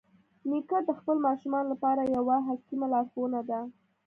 نیکه د خپلو ماشومانو لپاره یوه حکیمه لارښوونه ده.